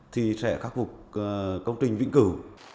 thì sẽ khắc phục công trình vĩnh cửu